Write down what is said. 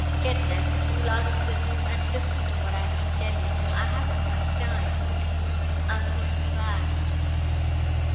Get that fool out of the room and listen to what I have to tell you. I haven't much time. I am going fast."